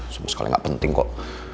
sama sekali nggak penting kok